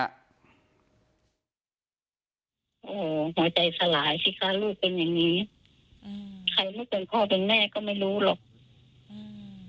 หัวใจสลายสิคะลูกเป็นอย่างนี้